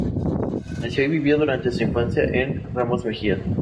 Nació y vivió durante su infancia en Ramos Mejía.